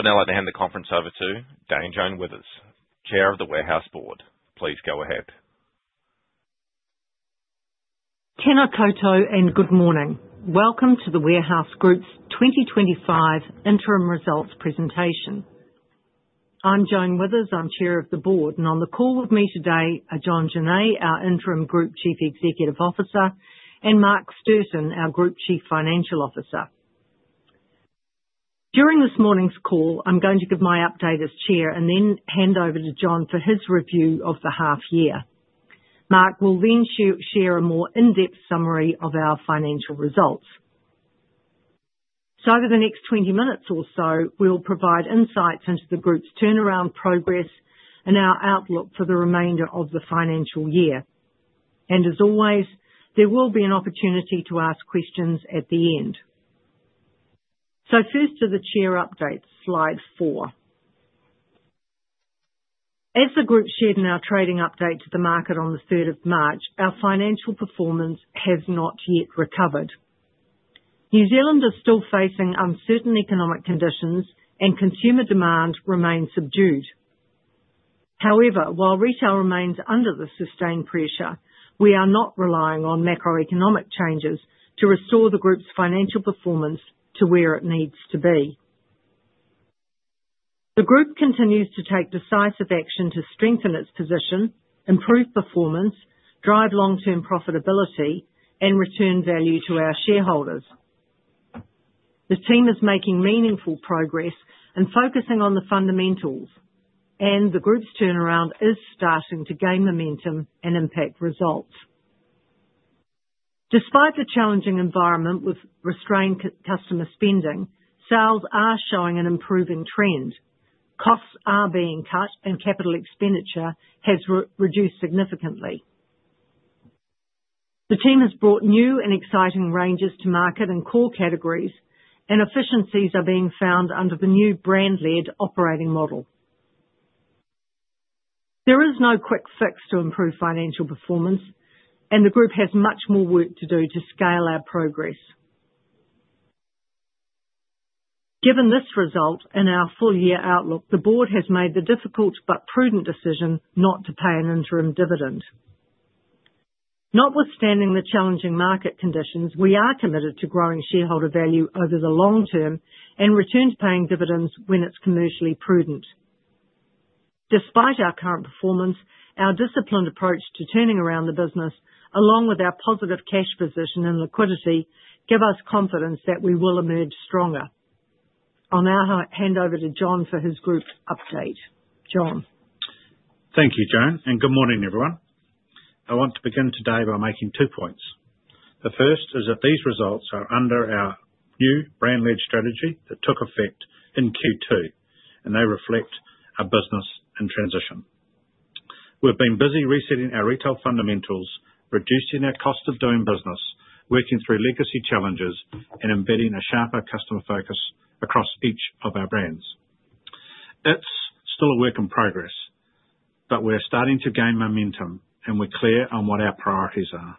Now I'll hand the conference over to Dame Joan Withers, Chair of the Warehouse Group Board. Please go ahead. Tēnā koutou and good morning. Welcome to The Warehouse Group's 2025 Interim Results Presentation. I'm Joan Withers, I'm Chair of the Board, and on the call with me today are John Journee, our Interim Group Chief Executive Officer, and Mark Stirton, our Group Chief Financial Officer. During this morning's call, I'm going to give my update as Chair and then hand over to John for his review of the half-year. Mark will then share a more in-depth summary of our financial results. Over the next 20 minutes or so, we'll provide insights into the Group's turnaround progress and our outlook for the remainder of the financial year. As always, there will be an opportunity to ask questions at the end. First are the Chair updates, slide four. As the Group shared in our trading update to the market on the 3rd of March, our financial performance has not yet recovered. New Zealand is still facing uncertain economic conditions, and consumer demand remains subdued. However, while retail remains under the sustained pressure, we are not relying on macroeconomic changes to restore the Group's financial performance to where it needs to be. The Group continues to take decisive action to strengthen its position, improve performance, drive long-term profitability, and return value to our shareholders. The team is making meaningful progress and focusing on the fundamentals, and the Group's turnaround is starting to gain momentum and impact results. Despite the challenging environment with restrained customer spending, sales are showing an improving trend. Costs are being cut, and capital expenditure has reduced significantly. The team has brought new and exciting ranges to market and core categories, and efficiencies are being found under the new brand-led operating model. There is no quick fix to improve financial performance, and the Group has much more work to do to scale our progress. Given this result and our full-year outlook, the Board has made the difficult but prudent decision not to pay an interim dividend. Notwithstanding the challenging market conditions, we are committed to growing shareholder value over the long term and return to paying dividends when it's commercially prudent. Despite our current performance, our disciplined approach to turning around the business, along with our positive cash position and liquidity, gives us confidence that we will emerge stronger. I'll now hand over to John for his Group update. John. Thank you, Joan, and good morning, everyone. I want to begin today by making two points. The first is that these results are under our new brand-led strategy that took effect in Q2, and they reflect our business and transition. We've been busy resetting our retail fundamentals, reducing our cost of doing business, working through legacy challenges, and embedding a sharper customer focus across each of our brands. It's still a work in progress, but we're starting to gain momentum, and we're clear on what our priorities are.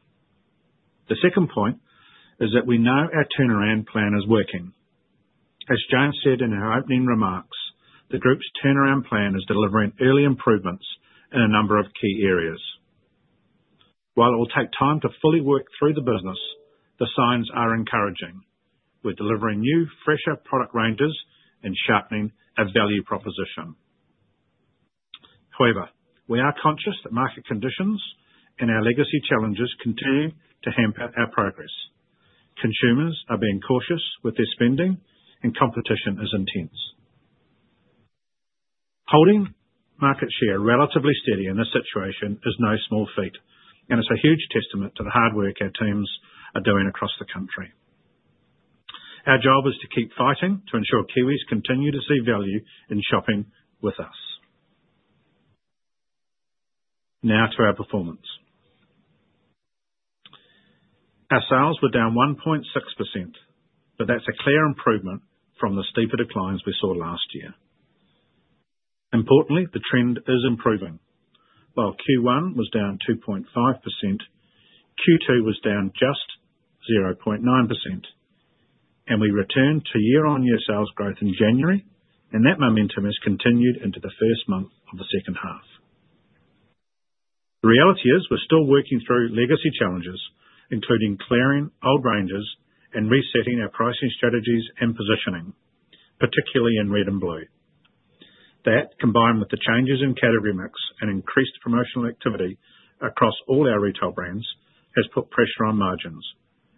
The second point is that we know our turnaround plan is working. As Joan said in her opening remarks, the Group's turnaround plan is delivering early improvements in a number of key areas. While it will take time to fully work through the business, the signs are encouraging. We're delivering new, fresher product ranges and sharpening our value proposition. However, we are conscious that market conditions and our legacy challenges continue to hamper our progress. Consumers are being cautious with their spending, and competition is intense. Holding market share relatively steady in this situation is no small feat, and it's a huge testament to the hard work our teams are doing across the country. Our job is to keep fighting to ensure Kiwis continue to see value in shopping with us. Now to our performance. Our sales were down 1.6%, but that's a clear improvement from the steeper declines we saw last year. Importantly, the trend is improving. While Q1 was down 2.5%, Q2 was down just 0.9%, and we returned to year-on-year sales growth in January, and that momentum has continued into the first month of the second half. The reality is we're still working through legacy challenges, including clearing old ranges and resetting our pricing strategies and positioning, particularly in Red and Blue. That, combined with the changes in category mix and increased promotional activity across all our retail brands, has put pressure on margins,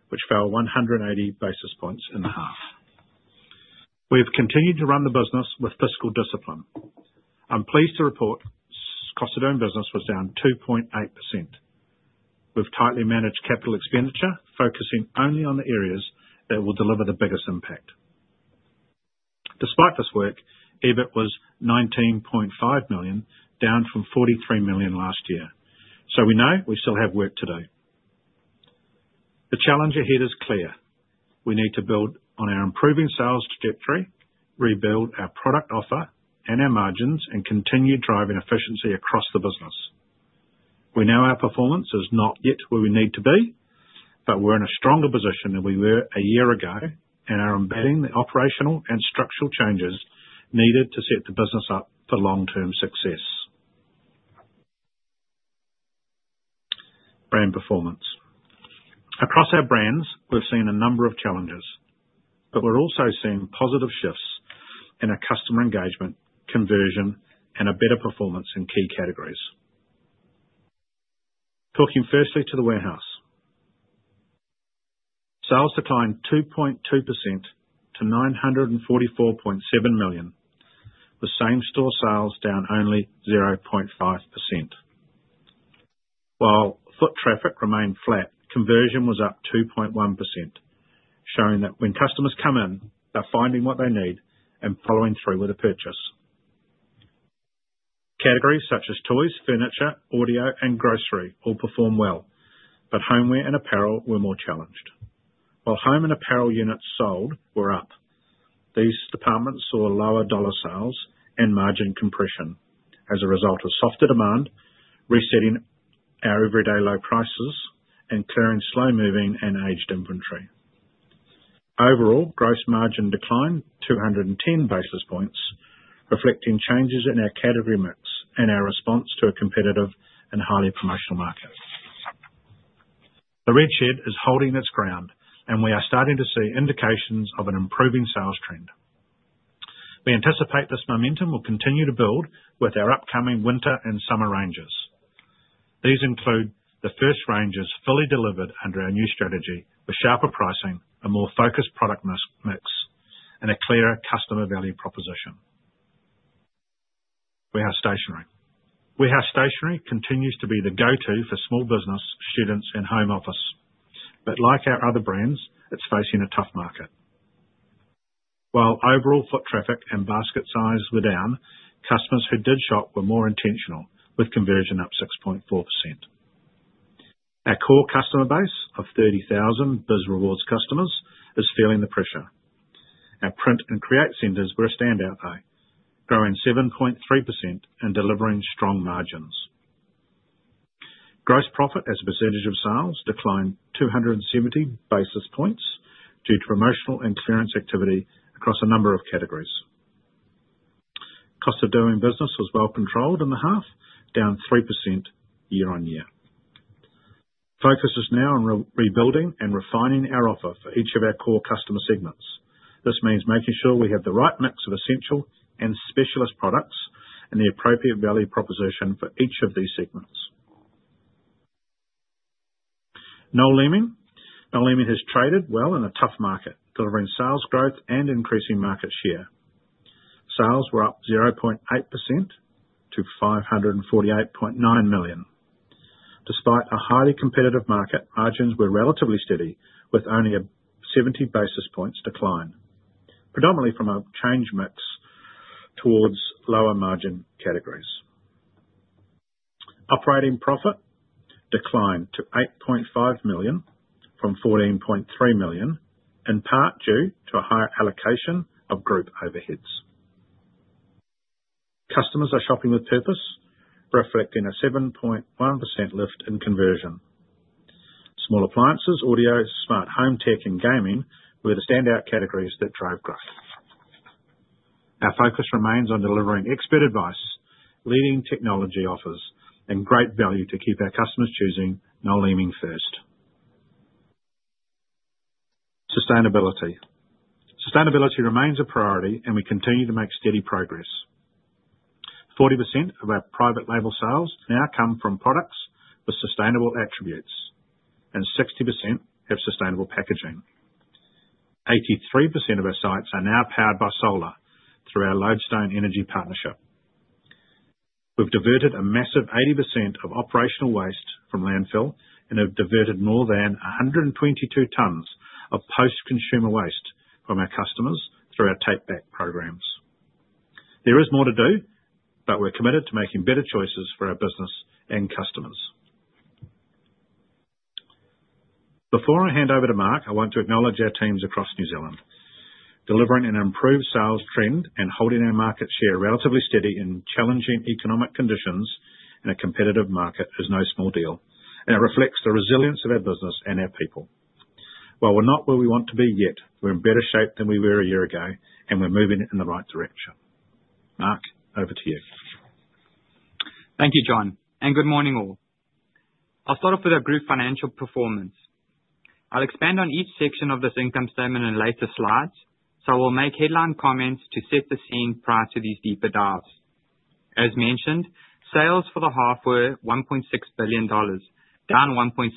which fell 180 basis points in the half. We've continued to run the business with fiscal discipline. I'm pleased to report cost of doing business was down 2.8%. We've tightly managed capital expenditure, focusing only on the areas that will deliver the biggest impact. Despite this work, EBIT was 19.5 million, down from 43 million last year. We know we still have work to do. The challenge ahead is clear. We need to build on our improving sales trajectory, rebuild our product offer and our margins, and continue driving efficiency across the business. We know our performance is not yet where we need to be, but we're in a stronger position than we were a year ago and are embedding the operational and structural changes needed to set the business up for long-term success. Brand performance. Across our brands, we've seen a number of challenges, but we're also seeing positive shifts in our customer engagement, conversion, and a better performance in key categories. Talking firstly to The Warehouse. Sales declined 2.2% to 944.7 million, the same store sales down only 0.5%. While foot traffic remained flat, conversion was up 2.1%, showing that when customers come in, they're finding what they need and following through with a purchase. Categories such as toys, furniture, audio, and grocery all performed well, but homeware and apparel were more challenged. While home and apparel units sold were up, these departments saw lower dollar sales and margin compression as a result of softer demand, resetting our everyday low prices and clearing slow-moving and aged inventory. Overall, gross margin declined 210 basis points, reflecting changes in our category mix and our response to a competitive and highly promotional market. The red shed is holding its ground, and we are starting to see indications of an improving sales trend. We anticipate this momentum will continue to build with our upcoming winter and summer ranges. These include the first ranges fully delivered under our new strategy with sharper pricing, a more focused product mix, and a clearer customer value proposition. We have stationery. Stationery continues to be the go-to for small business, students, and home office, but like our other brands, it's facing a tough market. While overall foot traffic and basket size were down, customers who did shop were more intentional, with conversion up 6.4%. Our core customer base of 30,000 BizRewards customers is feeling the pressure. Our print and create centers were a standout, though, growing 7.3% and delivering strong margins. Gross profit as a percentage of sales declined 270 basis points due to promotional and clearance activity across a number of categories. Cost of doing business was well controlled in the half, down 3% year on year. Focus is now on rebuilding and refining our offer for each of our core customer segments. This means making sure we have the right mix of essential and specialist products and the appropriate value proposition for each of these segments. Noel Leeming. Noel Leeming has traded well in a tough market, delivering sales growth and increasing market share. Sales were up 0.8% to 548.9 million. Despite a highly competitive market, margins were relatively steady, with only a 70 basis points decline, predominantly from a change mix towards lower margin categories. Operating profit declined to 8.5 million from 14.3 million, in part due to a higher allocation of Group overheads. Customers are shopping with purpose, reflecting a 7.1% lift in conversion. Small appliances, audio, smart home tech, and gaming were the standout categories that drove growth. Our focus remains on delivering expert advice, leading technology offers, and great value to keep our customers choosing Noel Leeming first. Sustainability remains a priority, and we continue to make steady progress. 40% of our private label sales now come from products with sustainable attributes, and 60% have sustainable packaging. 83% of our sites are now powered by solar through our Lodestone Energy partnership. We've diverted a massive 80% of operational waste from landfill and have diverted more than 122 tons of post-consumer waste from our customers through our take-back programs. There is more to do, but we're committed to making better choices for our business and customers. Before I hand over to Mark, I want to acknowledge our teams across New Zealand. Delivering an improved sales trend and holding our market share relatively steady in challenging economic conditions and a competitive market is no small deal, and it reflects the resilience of our business and our people. While we're not where we want to be yet, we're in better shape than we were a year ago, and we're moving in the right direction. Mark, over to you. Thank you, John, and good morning, all. I'll start off with our Group financial performance. I'll expand on each section of this income statement in later slides, so I will make headline comments to set the scene prior to these deeper dives. As mentioned, sales for the half were 1.6 billion dollars, down 1.6%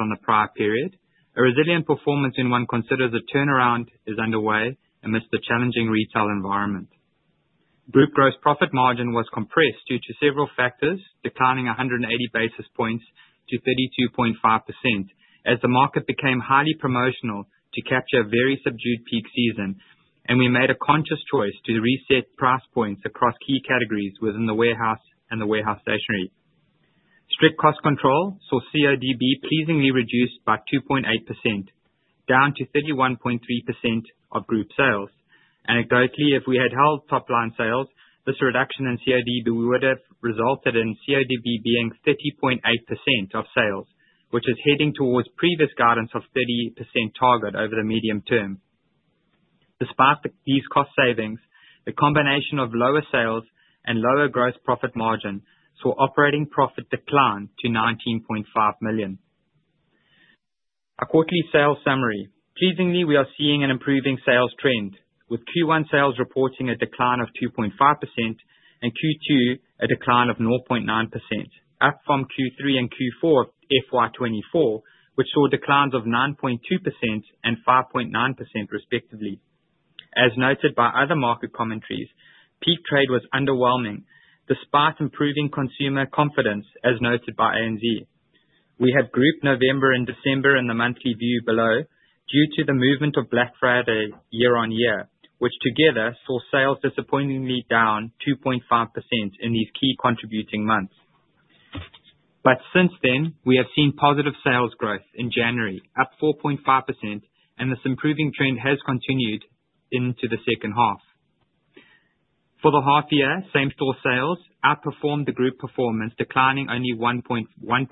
on the prior period. A resilient performance in one considered as a turnaround is underway amidst the challenging retail environment. Group gross profit margin was compressed due to several factors, declining 180 basis points to 32.5% as the market became highly promotional to capture a very subdued peak season, and we made a conscious choice to reset price points across key categories within The Warehouse and Warehouse Stationery. Strict cost control saw CODB pleasingly reduced by 2.8%, down to 31.3% of Group sales. Anecdotally, if we had held top-line sales, this reduction in CODB would have resulted in CODB being 30.8% of sales, which is heading towards previous guidance of 30% target over the medium term. Despite these cost savings, a combination of lower sales and lower gross profit margin saw operating profit decline to 19.5 million. A quarterly sales summary. Pleasingly, we are seeing an improving sales trend, with Q1 sales reporting a decline of 2.5% and Q2 a decline of 0.9%, up from Q3 and Q4 FY2024, which saw declines of 9.2% and 5.9%, respectively. As noted by other market commentaries, peak trade was underwhelming, despite improving consumer confidence, as noted by ANZ. We have grouped November and December in the monthly view below due to the movement of Black Friday year on year, which together saw sales disappointingly down 2.5% in these key contributing months. Since then, we have seen positive sales growth in January, up 4.5%, and this improving trend has continued into the second half. For the half-year, same store sales outperformed the Group performance, declining only 1.1%,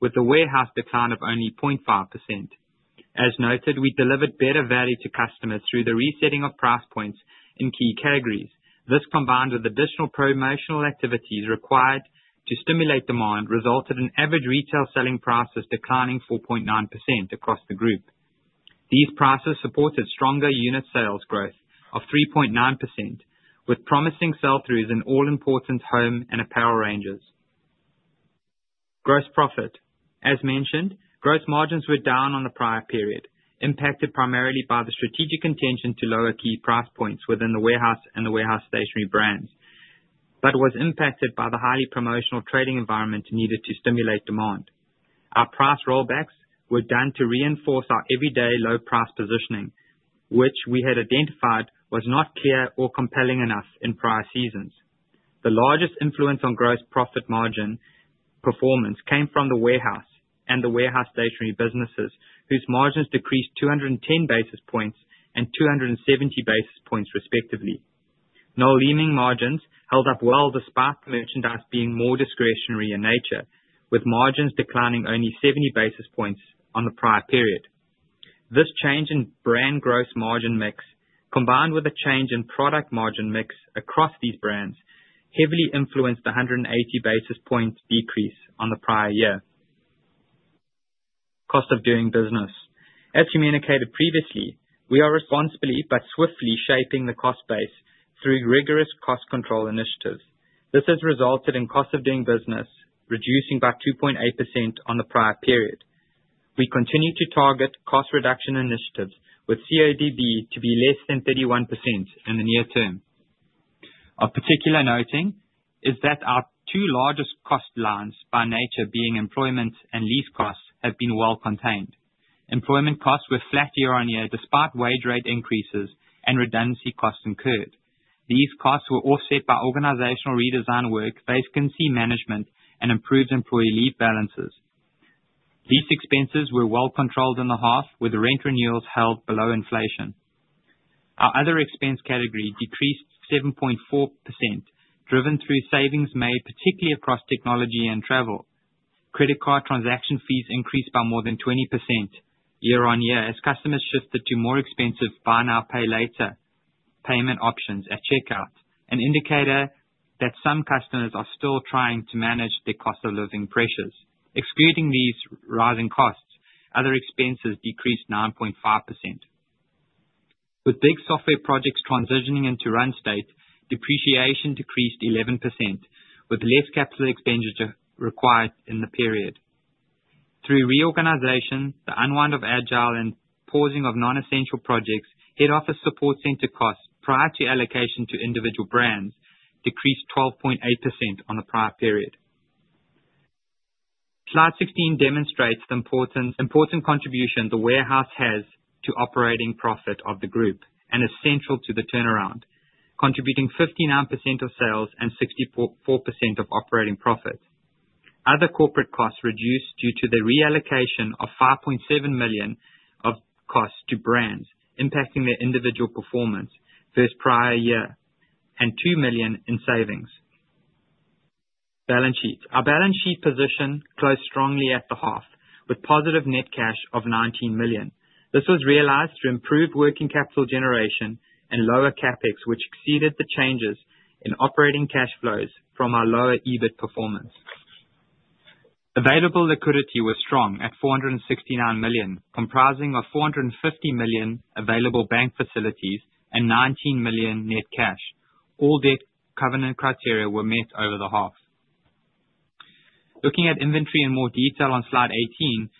with the Warehouse decline of only 0.5%. As noted, we delivered better value to customers through the resetting of price points in key categories. This, combined with additional promotional activities required to stimulate demand, resulted in average retail selling prices declining 4.9% across the Group. These prices supported stronger unit sales growth of 3.9%, with promising sell-throughs in all-important home and apparel ranges. Gross profit. As mentioned, gross margins were down on the prior period, impacted primarily by the strategic intention to lower key price points within the Warehouse and the Warehouse Stationery brands, but was impacted by the highly promotional trading environment needed to stimulate demand. Our price rollbacks were done to reinforce our everyday low-price positioning, which we had identified was not clear or compelling enough in prior seasons. The largest influence on gross profit margin performance came from the Warehouse and the Warehouse Stationery businesses, whose margins decreased 210 basis points and 270 basis points, respectively. Noel Leeming margins held up well despite the merchandise being more discretionary in nature, with margins declining only 70 basis points on the prior period. This change in brand gross margin mix, combined with a change in product margin mix across these brands, heavily influenced the 180 basis points decrease on the prior year. Cost of doing business. As communicated previously, we are responsibly but swiftly shaping the cost base through rigorous cost control initiatives. This has resulted in cost of doing business reducing by 2.8% on the prior period. We continue to target cost reduction initiatives with CODB to be less than 31% in the near term. Of particular noting is that our two largest cost lines, by nature being employment and lease costs, have been well contained. Employment costs were flat year on year despite wage rate increases and redundancy costs incurred. These costs were offset by organizational redesign work, basically management, and improved employee leave balances. These expenses were well controlled in the half, with rent renewals held below inflation. Our other expense category decreased 7.4%, driven through savings made, particularly across technology and travel. Credit card transaction fees increased by more than 20% year on year as customers shifted to more expensive buy now pay later payment options at checkout, an indicator that some customers are still trying to manage their cost of living pressures. Excluding these rising costs, other expenses decreased 9.5%. With big software projects transitioning into run state, depreciation decreased 11%, with less capital expenditure required in the period. Through reorganization, the unwind of Agile and pausing of non-essential projects, head office support center costs prior to allocation to individual brands decreased 12.8% on the prior period. Slide 16 demonstrates the important contribution The Warehouse has to operating profit of the Group and is central to the turnaround, contributing 59% of sales and 64% of operating profit. Other corporate costs reduced due to the reallocation of 5.7 million of costs to brands, impacting their individual performance versus prior year and 2 million in savings. Balance sheet. Our balance sheet position closed strongly at the half, with positive net cash of 19 million. This was realized to improve working capital generation and lower CapEx, which exceeded the changes in operating cash flows from our lower EBIT performance. Available liquidity was strong at 469 million, comprising of 450 million available bank facilities and 19 million net cash. All the covenant criteria were met over the half. Looking at inventory in more detail on slide 18,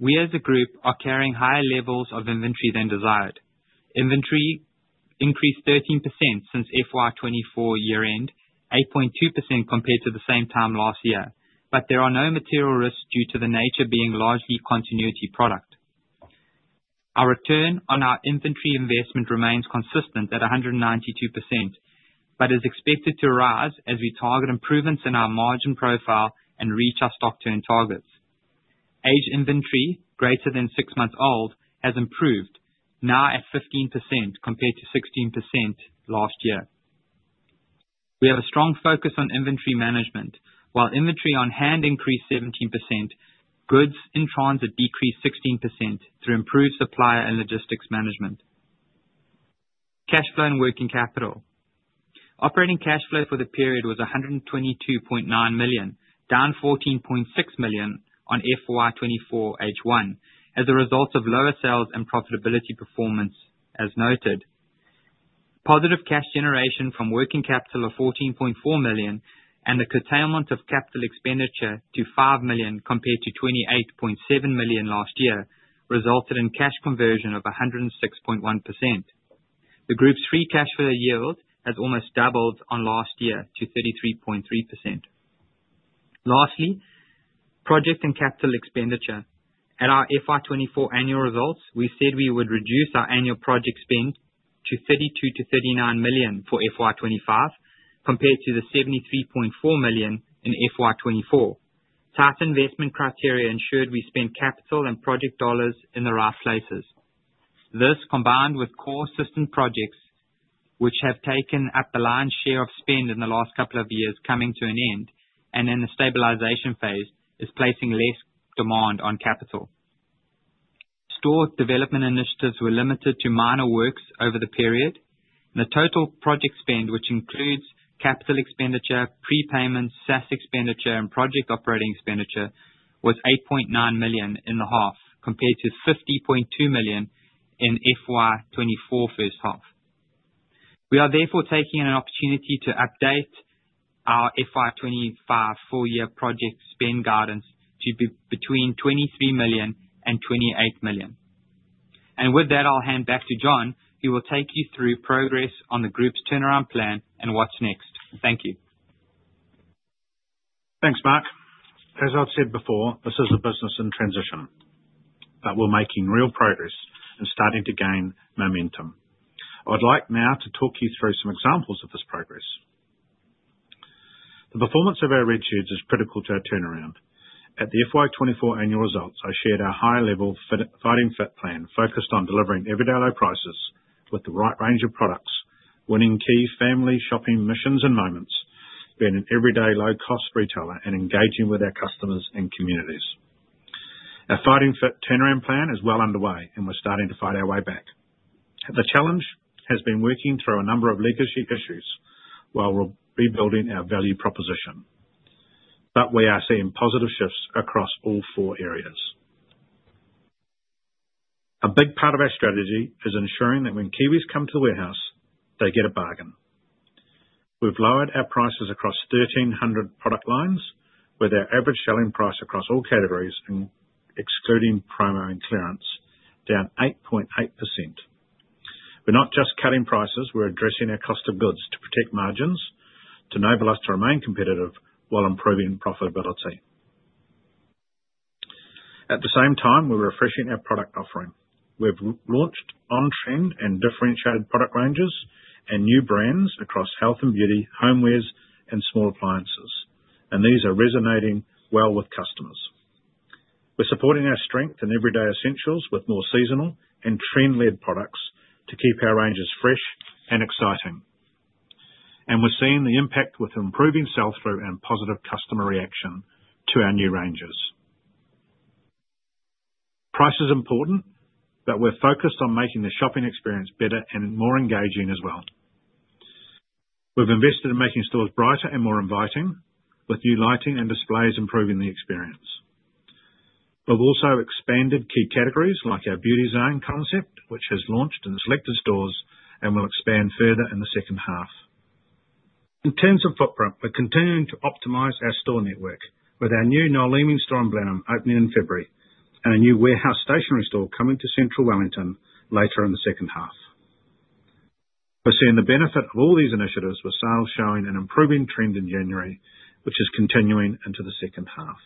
we as a Group are carrying higher levels of inventory than desired. Inventory increased 13% since FY2024 year-end, 8.2% compared to the same time last year, but there are no material risks due to the nature being largely continuity product. Our return on our inventory investment remains consistent at 192%, but is expected to rise as we target improvements in our margin profile and reach our stock turn targets. Aged inventory greater than six months old has improved, now at 15% compared to 16% last year. We have a strong focus on inventory management. While inventory on hand increased 17%, goods in transit decreased 16% through improved supplier and logistics management. Cash flow and working capital. Operating cash flow for the period was 122.9 million, down 14.6 million on FY2024 H1, as a result of lower sales and profitability performance, as noted. Positive cash generation from working capital of 14.4 million and the curtailment of capital expenditure to 5 million compared to 28.7 million last year resulted in cash conversion of 106.1%. The Group's free cash flow yield has almost doubled on last year to 33.3%. Lastly, project and capital expenditure. At our FY2024 annual results, we said we would reduce our annual project spend to 32 million-39 million for FY2025 compared to the 73.4 million in FY2024. [TAS] investment criteria ensured we spent capital and project dollars in the right places. This, combined with core system projects, which have taken up the lion's share of spend in the last couple of years, is coming to an end, and in the stabilization phase, is placing less demand on capital. Store development initiatives were limited to minor works over the period. The total project spend, which includes capital expenditure, prepayments, SaaS expenditure, and project operating expenditure, was 8.9 million in the half, compared to 50.2 million in FY2024 first half. We are therefore taking an opportunity to update our FY2025 full-year project spend guidance to be between 23 million and 28 million. With that, I'll hand back to John, who will take you through progress on the Group's turnaround plan and what's next. Thank you. Thanks, Mark. As I've said before, this is a business in transition, but we're making real progress and starting to gain momentum. I'd like now to talk you through some examples of this progress. The performance of our Red Sheds is critical to our turnaround. At the FY2024 annual results, I shared our high-level fighting-fit plan focused on delivering everyday low prices with the right range of products, winning key family shopping missions and moments, being an everyday low-cost retailer and engaging with our customers and communities. Our fighting-fit turnaround plan is well underway, and we're starting to fight our way back. The challenge has been working through a number of legacy issues while we're rebuilding our value proposition, but we are seeing positive shifts across all four areas. A big part of our strategy is ensuring that when Kiwis come to The Warehouse, they get a bargain. We've lowered our prices across 1,300 product lines, with our average selling price across all categories, excluding promo and clearance, down 8.8%. We're not just cutting prices; we're addressing our cost of goods to protect margins, to enable us to remain competitive while improving profitability. At the same time, we're refreshing our product offering. We've launched on-trend and differentiated product ranges and new brands across health and beauty, homewares, and small appliances, and these are resonating well with customers. We're supporting our strength in everyday essentials with more seasonal and trend-led products to keep our ranges fresh and exciting. We're seeing the impact with improving sell-through and positive customer reaction to our new ranges. Price is important, but we're focused on making the shopping experience better and more engaging as well. We've invested in making stores brighter and more inviting, with new lighting and displays improving the experience. We've also expanded key categories like our beauty zone concept, which has launched in selected stores and will expand further in the second half. In terms of footprint, we're continuing to optimize our store network with our new Noel Leeming store in Blenheim opening in February and a new Warehouse Stationery store coming to Central Wellington later in the second half. We're seeing the benefit of all these initiatives with sales showing an improving trend in January, which is continuing into the second half.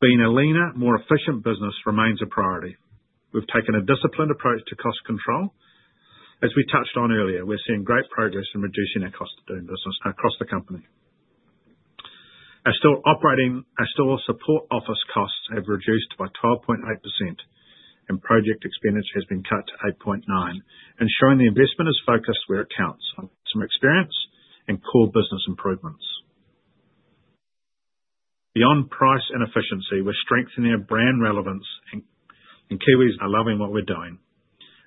Being a leaner, more efficient business remains a priority. We've taken a disciplined approach to cost control. As we touched on earlier, we're seeing great progress in reducing our cost of doing business across the company. Our store support office costs have reduced by 12.8%, and project expenditure has been cut to 8.9 million, ensuring the investment is focused where it counts on some experience and core business improvements. Beyond price and efficiency, we're strengthening our brand relevance, and Kiwis are loving what we're doing.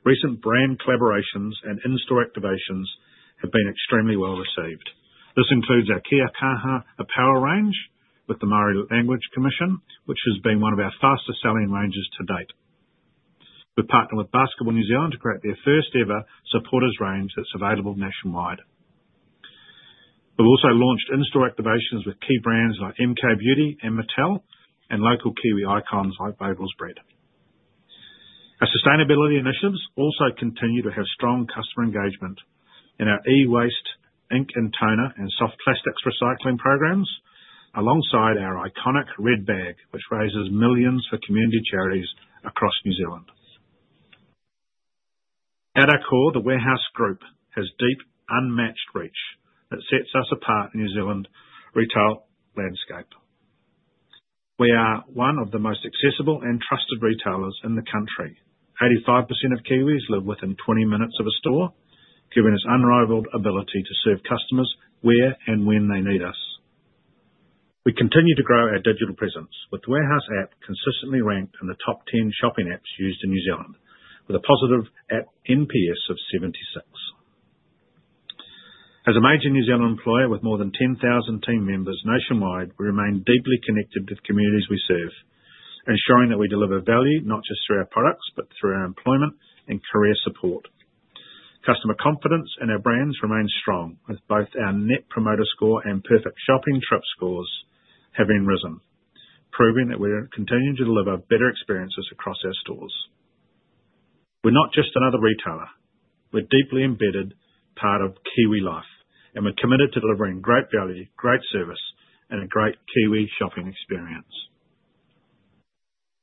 Recent brand collaborations and in-store activations have been extremely well received. This includes our Kia Kaha apparel range with the Maori Language Commission, which has been one of our fastest-selling ranges to date. We partner with Basketball New Zealand to create their first-ever supporters range that's available nationwide. We've also launched in-store activations with key brands like MCoBeauty and Mattel, and local Kiwi icons like Barkers Bread. Our sustainability initiatives also continue to have strong customer engagement in our e-waste, ink and toner, and soft plastics recycling programs, alongside our iconic Red Bag, which raises millions for community charities across New Zealand. At our core, The Warehouse Group has deep, unmatched reach that sets us apart in New Zealand's retail landscape. We are one of the most accessible and trusted retailers in the country. 85% of Kiwis live within 20 minutes of a store, giving us unrivaled ability to serve customers where and when they need us. We continue to grow our digital presence with The Warehouse app consistently ranked in the top 10 shopping apps used in New Zealand, with a positive app NPS of 76. As a major New Zealand employer with more than 10,000 team members nationwide, we remain deeply connected with communities we serve, ensuring that we deliver value not just through our products, but through our employment and career support. Customer confidence in our brands remains strong, with both our Net Promoter Score and perfect shopping trip scores having risen, proving that we continue to deliver better experiences across our stores. We're not just another retailer. We're a deeply embedded part of Kiwi life, and we're committed to delivering great value, great service, and a great Kiwi shopping experience.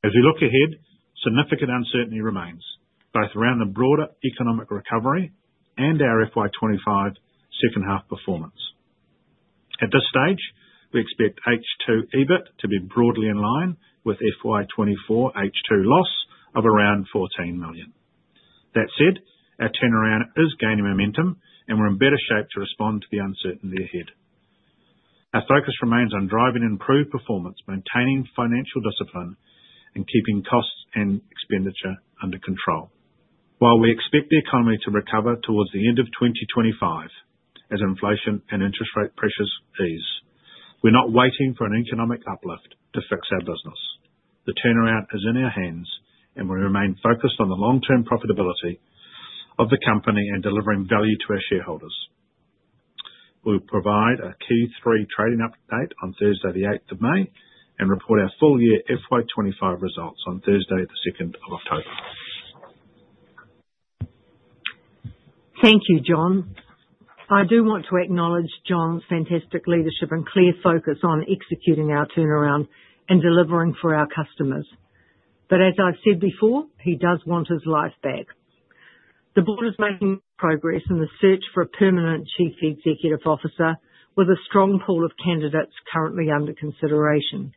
As we look ahead, significant uncertainty remains both around the broader economic recovery and our FY2025 second half performance. At this stage, we expect H2 EBIT to be broadly in line with FY2024 H2 loss of around 14 million. That said, our turnaround is gaining momentum, and we're in better shape to respond to the uncertainty ahead. Our focus remains on driving improved performance, maintaining financial discipline, and keeping costs and expenditure under control. While we expect the economy to recover towards the end of 2025, as inflation and interest rate pressures ease, we're not waiting for an economic uplift to fix our business. The turnaround is in our hands, and we remain focused on the long-term profitability of the company and delivering value to our shareholders. We'll provide a Q3 trading update on Thursday, the 8th of May, and report our full-year FY2025 results on Thursday, the 2nd of October. Thank you, John. I do want to acknowledge John's fantastic leadership and clear focus on executing our turnaround and delivering for our customers. As I've said before, he does want his life back. The board is making progress in the search for a permanent Chief Executive Officer, with a strong pool of candidates currently under consideration.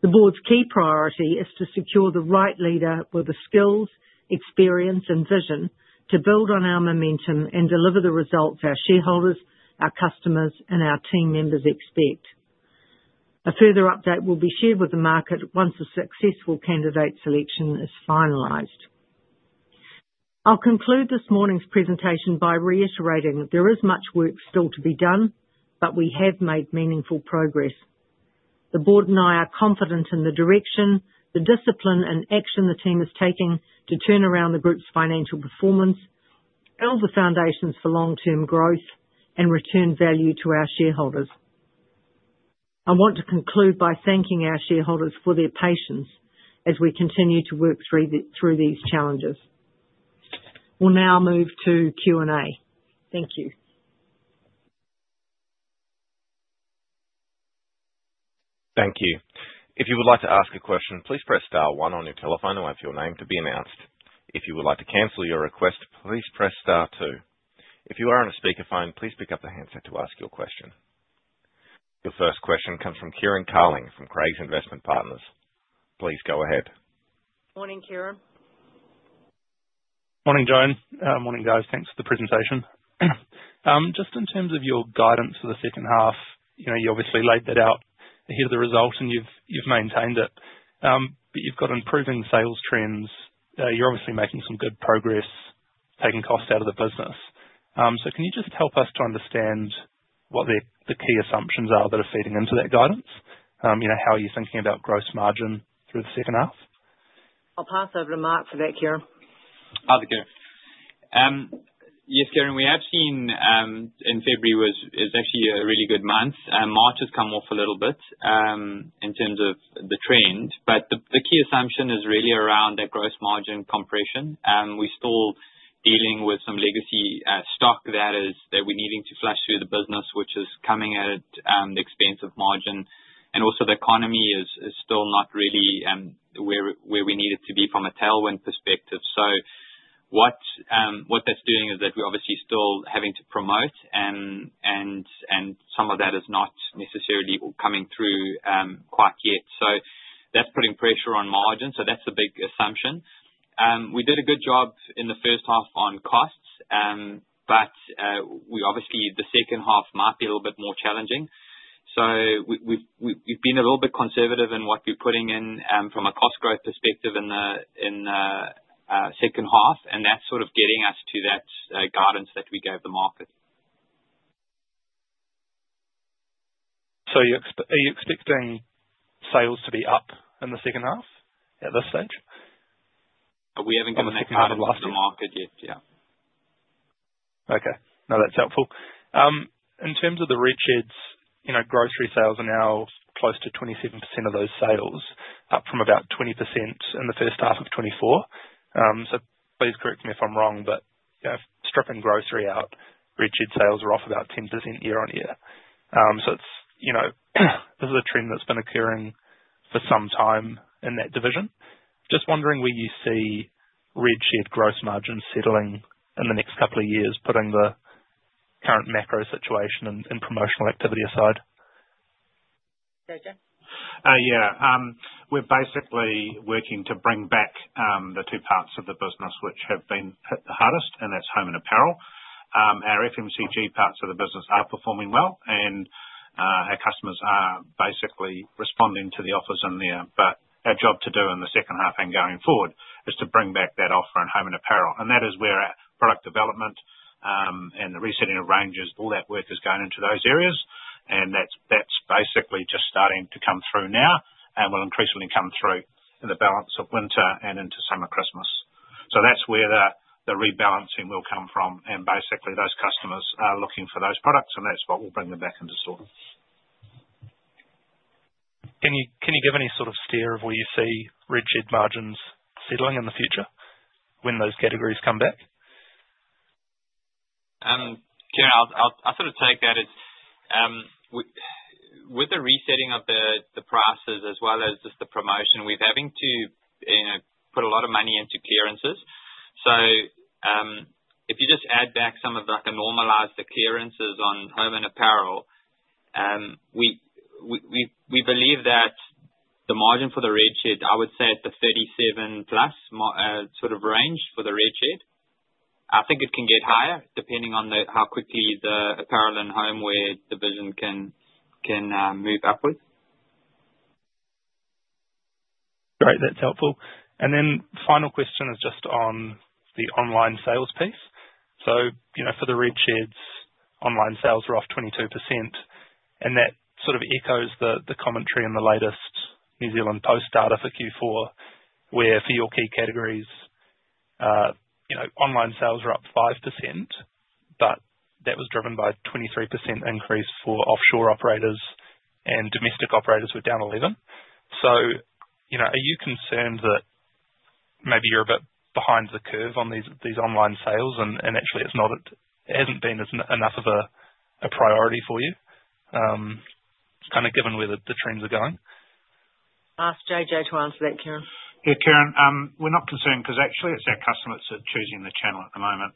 The board's key priority is to secure the right leader with the skills, experience, and vision to build on our momentum and deliver the results our shareholders, our customers, and our team members expect. A further update will be shared with the market once a successful candidate selection is finalized. I'll conclude this morning's presentation by reiterating that there is much work still to be done, but we have made meaningful progress. The board and I are confident in the direction, the discipline, and action the team is taking to turn around the group's financial performance, build the foundations for long-term growth, and return value to our shareholders. I want to conclude by thanking our shareholders for their patience as we continue to work through these challenges. We will now move to Q&A. Thank you. Thank you. If you would like to ask a question, please press Star 1 on your telephone and wait for your name to be announced. If you would like to cancel your request, please press Star 2. If you are on a speakerphone, please pick up the handset to ask your question. Your first question comes from Kieran Carling from Craigs Investment Partners. Please go ahead. Morning, Kieran. Morning, Joan. Morning, guys. Thanks for the presentation. Just in terms of your guidance for the second half, you obviously laid that out ahead of the results, and you've maintained it. You've got improving sales trends. You're obviously making some good progress, taking cost out of the business. Can you just help us to understand what the key assumptions are that are feeding into that guidance? How are you thinking about gross margin through the second half? I'll pass over to Mark for that, Kieran. Hi there, Kieran. Yes, Kieran, we have seen in February was actually a really good month. March has come off a little bit in terms of the trend. The key assumption is really around that gross margin compression. We're still dealing with some legacy stock that we're needing to flush through the business, which is coming at the expense of margin. Also, the economy is still not really where we need it to be from a tailwind perspective. What that's doing is that we're obviously still having to promote, and some of that is not necessarily coming through quite yet. That's putting pressure on margin. That's a big assumption. We did a good job in the first half on costs, but obviously, the second half might be a little bit more challenging. We have been a little bit conservative in what we are putting in from a cost growth perspective in the second half, and that is sort of getting us to that guidance that we gave the market. Are you expecting sales to be up in the second half at this stage? We haven't got the second half of last year in the market yet, yeah. Okay. No, that's helpful. In terms of the Red Sheds, grocery sales are now close to 27% of those sales, up from about 20% in the first half of 2024. Please correct me if I'm wrong, but stripping grocery Red Shed sales are off about 10% year on year. This is a trend that's been occurring for some time in that division. Just wondering where you Red Shed gross margin settling in the next couple of years, putting the current macro situation and promotional activity aside. Yeah. We're basically working to bring back the two parts of the business which have been hit the hardest, and that's home and apparel. Our FMCG parts of the business are performing well, and our customers are basically responding to the offers in there. Our job to do in the second half and going forward is to bring back that offer in home and apparel. That is where our product development and the resetting of ranges, all that work is going into those areas. That's basically just starting to come through now, and will increasingly come through in the balance of winter and into summer Christmas. That's where the rebalancing will come from. Basically, those customers are looking for those products, and that's what will bring them back into store. Can you give any sort of steer of where you Red Shed margins settling in the future when those categories come back? Kieran, I'll sort of take that as with the resetting of the prices as well as just the promotion, we're having to put a lot of money into clearances. If you just add back some of the normalized clearances on home and apparel, we believe that the margin for Red Shed, I would say, is the 37%-plus sort of range for Red Shed. I think it can get higher depending on how quickly the apparel and home wear division can move upwards. Great. That's helpful. Final question is just on the online sales piece. For the Red Sheds, online sales are off 22%. That sort of echoes the commentary in the latest New Zealand Post data for Q4, where for your key categories, online sales were up 5%, but that was driven by a 23% increase for offshore operators, and domestic operators were down 11%. Are you concerned that maybe you're a bit behind the curve on these online sales, and actually, it hasn't been enough of a priority for you, kind of given where the trends are going? Ask JJ to answer that, Kieran. Yeah, Kieran, we're not concerned because actually, it's our customers that are choosing the channel at the moment.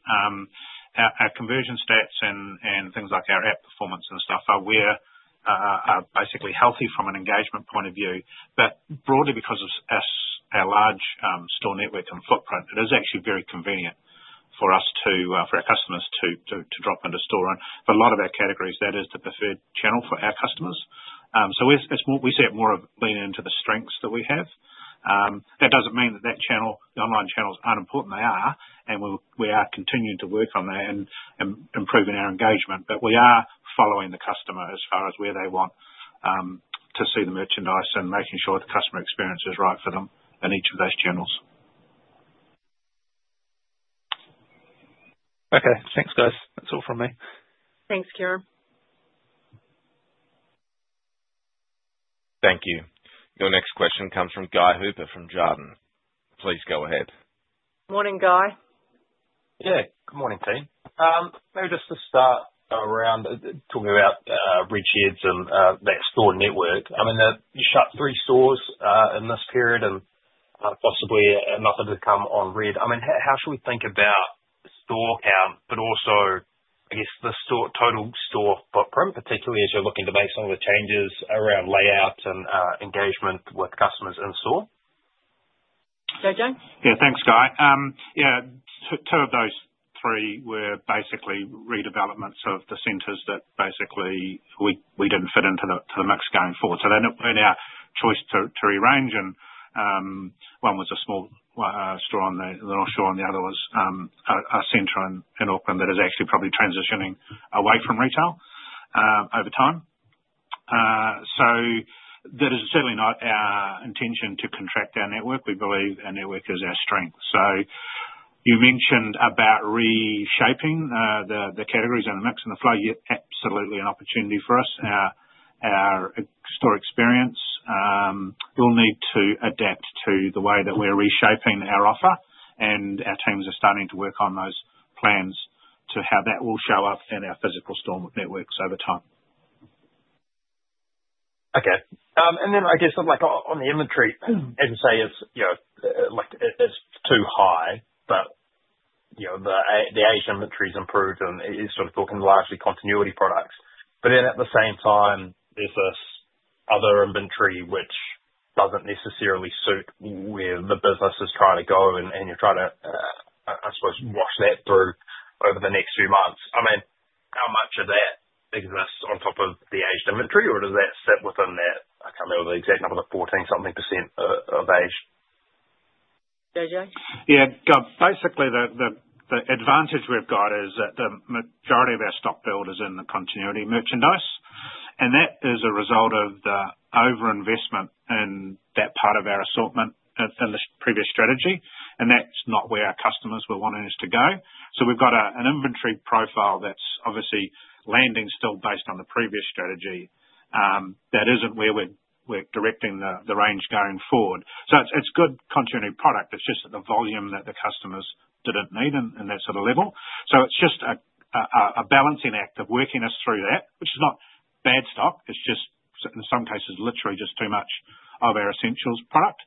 Our conversion stats and things like our app performance and stuff are basically healthy from an engagement point of view. Broadly, because of our large store network and footprint, it is actually very convenient for our customers to drop into store. For a lot of our categories, that is the preferred channel for our customers. We see it more of leaning into the strengths that we have. That does not mean that the online channels are not important. They are, and we are continuing to work on that and improving our engagement. We are following the customer as far as where they want to see the merchandise and making sure the customer experience is right for them in each of those channels. Okay. Thanks, guys. That's all from me. Thanks, Kieran. Thank you. Your next question comes from Guy Hooper from Jarden. Please go ahead. Morning, Guy. Yeah. Good morning, team. Maybe just to start around talking about Red Sheds and that store network. I mean, you shut three stores in this period, and possibly enough have become on red. I mean, how should we think about store count, but also, I guess, the total store footprint, particularly as you're looking to make some of the changes around layout and engagement with customers in store? JJ? Yeah. Thanks, Guy. Yeah. Two of those three were basically redevelopments of the centers that basically we did not fit into the mix going forward. It was our choice to rearrange. One was a small store on the North Shore, and the other was a center in Auckland that is actually probably transitioning away from retail over time. That is certainly not our intention to contract our network. We believe our network is our strength. You mentioned reshaping the categories and the mix and the flow. Yeah, absolutely an opportunity for us. Our store experience will need to adapt to the way that we are reshaping our offer, and our teams are starting to work on those plans for how that will show up in our physical store networks over time. Okay. I guess, on the inventory, as you say, it's too high, but the aged inventory has improved, and it's sort of talking largely continuity products. At the same time, there's this other inventory which doesn't necessarily suit where the business is trying to go, and you're trying to, I suppose, wash that through over the next few months. I mean, how much of that exists on top of the aged inventory, or does that sit within that? I can't remember the exact number, the 14-something percent of aged. JJ? Yeah. Basically, the advantage we've got is that the majority of our stock build is in the continuity merchandise, and that is a result of the over-investment in that part of our assortment in the previous strategy. That is not where our customers were wanting us to go. We have got an inventory profile that is obviously landing still based on the previous strategy. That is not where we are directing the range going forward. It is good continuity product. It is just that the volume that the customers did not need in that sort of level. It is just a balancing act of working us through that, which is not bad stock. It is just, in some cases, literally just too much of our essentials product.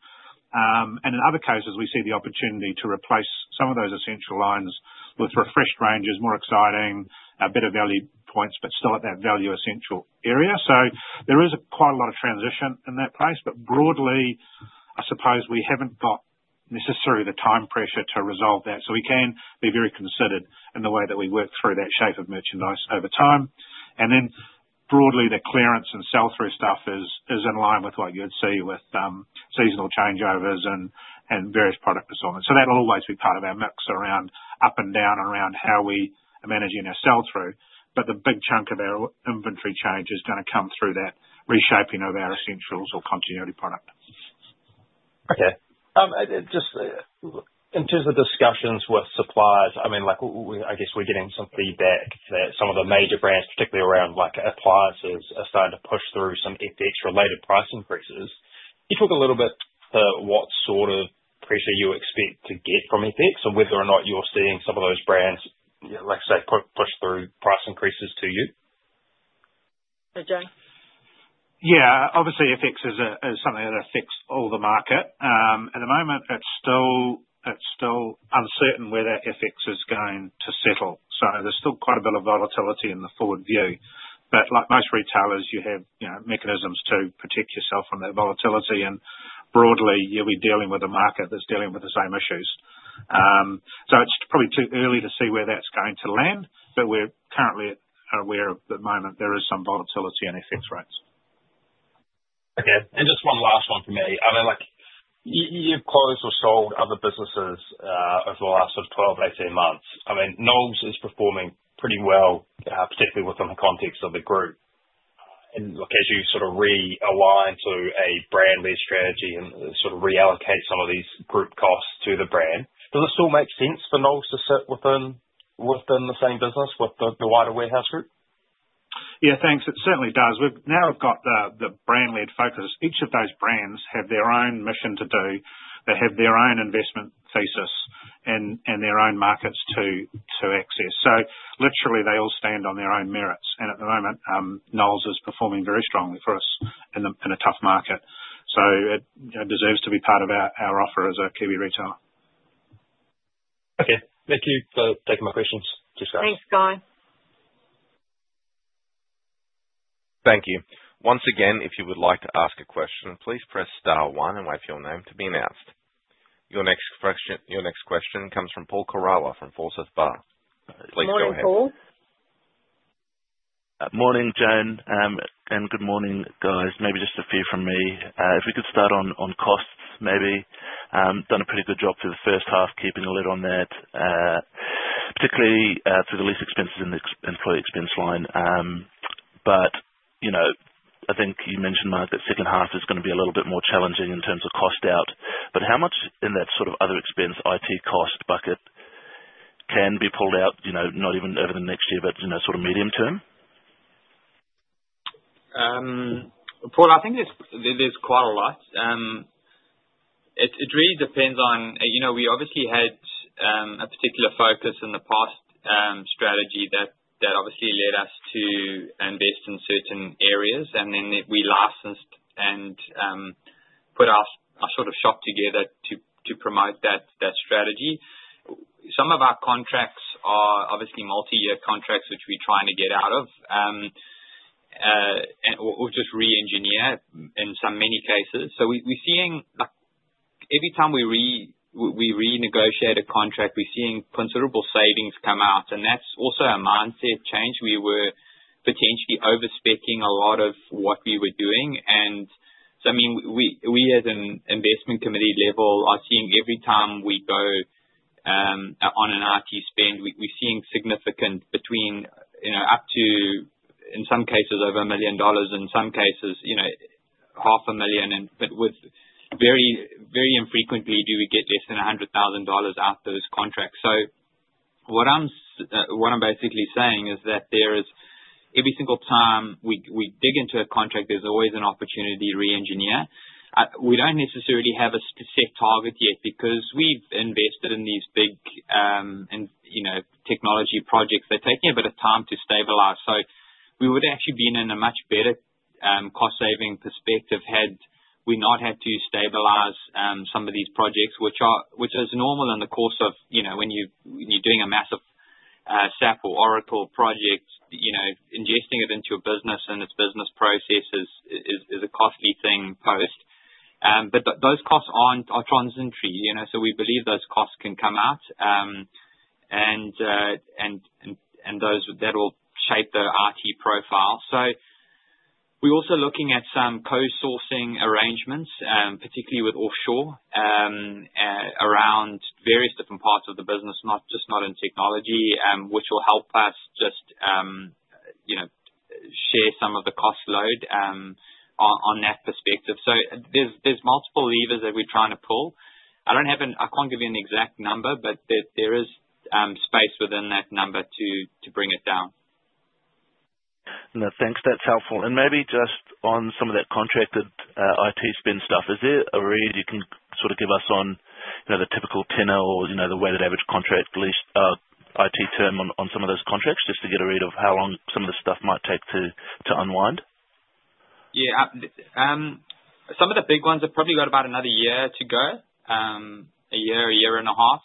In other cases, we see the opportunity to replace some of those essential lines with refreshed ranges, more exciting, better value points, but still at that value essential area. There is quite a lot of transition in that place. Broadly, I suppose we have not got necessarily the time pressure to resolve that, so we can be very considerate in the way that we work through that shape of merchandise over time. Broadly, the clearance and sell-through stuff is in line with what you would see with seasonal changeovers and various product assortments. That will always be part of our mix around up and down around how we are managing our sell-through. The big chunk of our inventory change is going to come through that reshaping of our essentials or continuity product. Okay. Just in terms of discussions with suppliers, I mean, I guess we're getting some feedback that some of the major brands, particularly around appliances, are starting to push through some FX-related price increases. Can you talk a little bit about what sort of pressure you expect to get from FX and whether or not you're seeing some of those brands, like I say, push through price increases to you? JJ? Yeah. Obviously, FX is something that affects all the market. At the moment, it's still uncertain whether FX is going to settle. There is still quite a bit of volatility in the forward view. Like most retailers, you have mechanisms to protect yourself from that volatility. Broadly, we're dealing with a market that's dealing with the same issues. It's probably too early to see where that's going to land, but we're currently aware at the moment there is some volatility in FX rates. Okay. Just one last one for me. I mean, you've closed or sold other businesses over the last sort of 12-18 months. I mean, Noel Leeming is performing pretty well, particularly within the context of the group. As you sort of realign to a brand-led strategy and sort of reallocate some of these group costs to the brand, does it still make sense for Noel Leeming to sit within the same business with the wider Warehouse Group? Yeah, thanks. It certainly does. Now we've got the brand-led focus. Each of those brands have their own mission to do. They have their own investment thesis and their own markets to access. Literally, they all stand on their own merits. At the moment, Noel Leeming is performing very strongly for us in a tough market. It deserves to be part of our offer as a Kiwi retailer. Okay. Thank you for taking my questions. Cheers, guys. Thanks, Guy. Thank you. Once again, if you would like to ask a question, please press star one and wait for your name to be announced. Your next question comes from Paul Koraua from Forsyth Barr. Please go ahead. Good morning, Paul. Morning, Joan. And good morning, guys. Maybe just a few from me. If we could start on costs, maybe. Done a pretty good job through the first half, keeping a lid on that, particularly through the lease expenses and the employee expense line. I think you mentioned, Mark, that second half is going to be a little bit more challenging in terms of cost out. How much in that sort of other expense, IT cost bucket, can be pulled out, not even over the next year, but sort of medium term? Paul, I think there's quite a lot. It really depends on we obviously had a particular focus in the past strategy that obviously led us to invest in certain areas, and then we licensed and put our sort of shop together to promote that strategy. Some of our contracts are obviously multi-year contracts, which we're trying to get out of or just re-engineer in many cases. We are seeing every time we renegotiate a contract, we are seeing considerable savings come out. That's also a mindset change. We were potentially overspeccing a lot of what we were doing. I mean, we as an investment committee level are seeing every time we go on an IT spend, we're seeing significant between up to, in some cases, over 1 million dollars, in some cases, 500,000. Very infrequently do we get less than 100,000 dollars out of those contracts. What I'm basically saying is that every single time we dig into a contract, there's always an opportunity to re-engineer. We don't necessarily have a specific target yet because we've invested in these big technology projects. They're taking a bit of time to stabilize. We would actually be in a much better cost-saving perspective had we not had to stabilize some of these projects, which is normal in the course of when you're doing a massive SAP or Oracle project. Ingesting it into your business and its business processes is a costly thing post. Those costs aren't transitory. We believe those costs can come out, and that will shape the IT profile. We're also looking at some co-sourcing arrangements, particularly with Offshore, around various different parts of the business, just not in technology, which will help us just share some of the cost load on that perspective. There are multiple levers that we're trying to pull. I can't give you an exact number, but there is space within that number to bring it down. No, thanks. That's helpful. Maybe just on some of that contracted IT spend stuff, is there a read you can sort of give us on the typical tenor or the weighted average contract IT term on some of those contracts, just to get a read of how long some of the stuff might take to unwind? Yeah. Some of the big ones have probably got about another year to go, a year, a year and a half.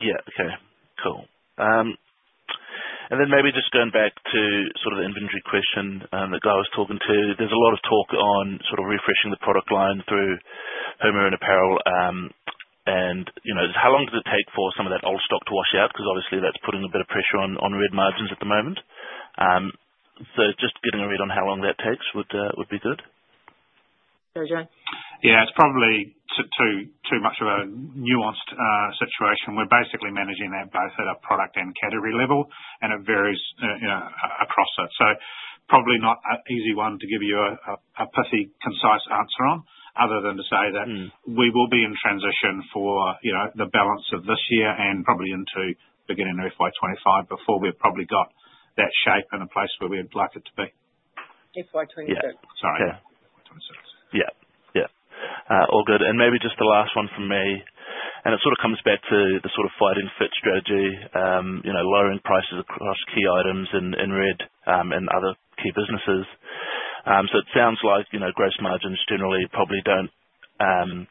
Yeah. Okay. Cool. Maybe just going back to sort of the inventory question that Guy was talking to, there's a lot of talk on sort of refreshing the product line through home and apparel. How long does it take for some of that old stock to wash out? Because obviously, that's putting a bit of pressure on red margins at the moment. Just getting a read on how long that takes would be good. JJ? Yeah. It's probably too much of a nuanced situation. We're basically managing that both at a product and category level, and it varies across it. Probably not an easy one to give you a pithy, concise answer on, other than to say that we will be in transition for the balance of this year and probably into the beginning of FY2025 before we've probably got that shape in a place where we'd like it to be. FY26. Yeah. Sorry. Yeah. Yeah. All good. Maybe just the last one for me. It sort of comes back to the sort of fight-and-fit strategy, lowering prices across key items in red and other key businesses. It sounds like gross margins generally probably do not,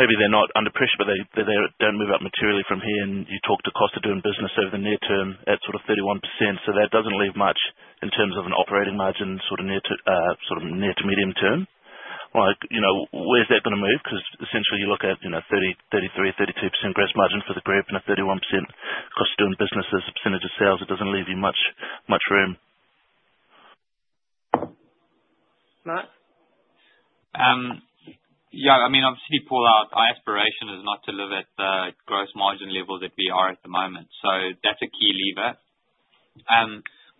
maybe they are not under pressure, but they do not move up materially from here. You talk to cost of doing business over the near term at sort of 31%. That does not leave much in terms of an operating margin sort of near to medium term. Where is that going to move? Because essentially, you look at 33%-32% gross margin for the group and a 31% cost of doing business as a percentage of sales. It does not leave you much room. Mark? Yeah. I mean, obviously, Paul, our aspiration is not to live at the gross margin level that we are at the moment. That's a key lever.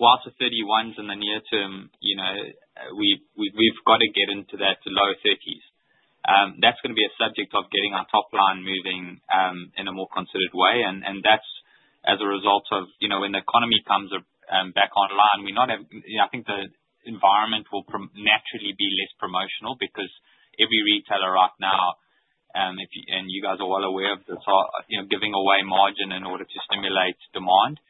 Whilst the 31's in the near term, we've got to get into that low 30's. That's going to be a subject of getting our top line moving in a more considered way. That's as a result of when the economy comes back online, we're not having—I think the environment will naturally be less promotional because every retailer right now, and you guys are well aware of this, are giving away margin in order to stimulate demand.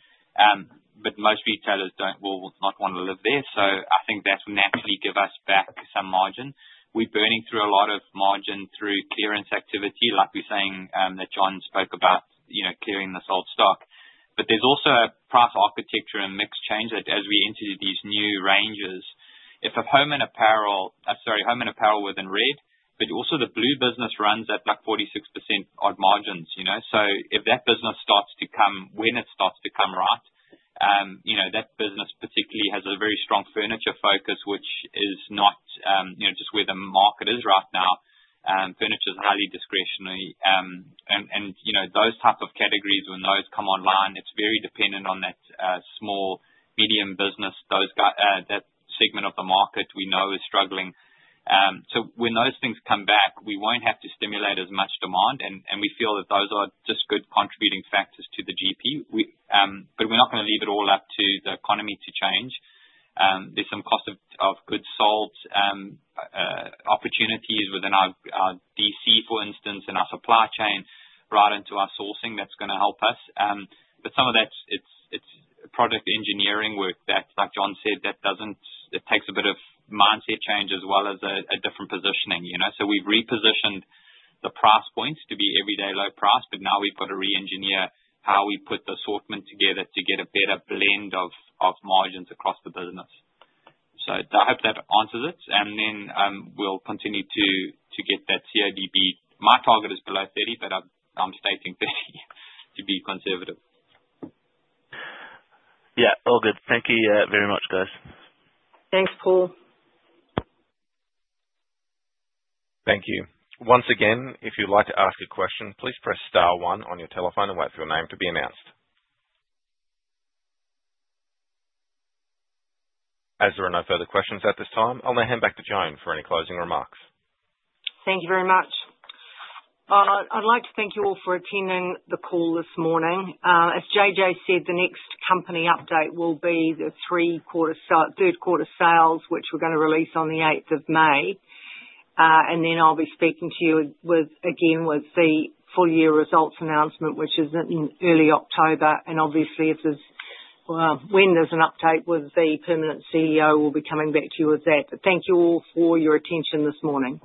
Most retailers will not want to live there. I think that will naturally give us back some margin. We're burning through a lot of margin through clearance activity, like we're saying that John spoke about, clearing this old stock. There is also a price architecture and mix change that, as we enter these new ranges, if home and apparel—sorry, home and apparel within red, but also the blue business runs at like 46% odd margins. If that business starts to come, when it starts to come right, that business particularly has a very strong furniture focus, which is not just where the market is right now. Furniture is highly discretionary. Those types of categories, when those come online, it is very dependent on that small, medium business. That segment of the market we know is struggling. When those things come back, we will not have to stimulate as much demand. We feel that those are just good contributing factors to the GP. We are not going to leave it all up to the economy to change. There's some cost of goods sold opportunities within our DC, for instance, in our supply chain right into our sourcing that's going to help us. Some of that, it's product engineering work that, like John said, that takes a bit of mindset change as well as a different positioning. We've repositioned the price points to be everyday low price, but now we've got to re-engineer how we put the assortment together to get a better blend of margins across the business. I hope that answers it. We'll continue to get that CODB. My target is below 30, but I'm stating 30 to be conservative. Yeah. All good. Thank you very much, guys. Thanks, Paul. Thank you. Once again, if you'd like to ask a question, please press star one on your telephone and wait for your name to be announced. As there are no further questions at this time, I'll now hand back to Joan for any closing remarks. Thank you very much. I'd like to thank you all for attending the call this morning. As JJ said, the next company update will be the third quarter sales, which we're going to release on the 8th of May. I'll be speaking to you again with the full year results announcement, which is in early October. Obviously, when there's an update with the permanent CEO, we'll be coming back to you with that. Thank you all for your attention this morning.